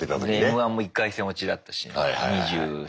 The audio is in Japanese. Ｍ−１も１回戦落ちだったし。